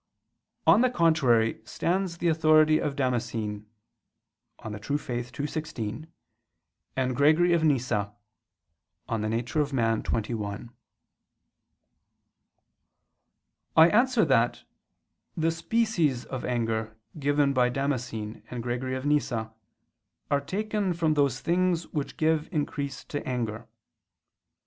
On the contrary, stands the authority of Damascene (De Fide Orth. ii, 16) and Gregory of Nyssa [*Nemesius, De Nat. Hom. xxi.]. I answer that, The species of anger given by Damascene and Gregory of Nyssa are taken from those things which give increase to anger.